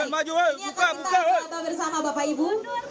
baik ini akan kita bawa bersama bapak ibu